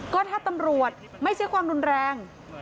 ก็ถ้าตำรวจไม่ใช่ความรุนแรง